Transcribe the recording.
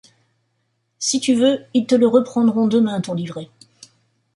Si tu veux, ils te le reprendront demain, ton livret.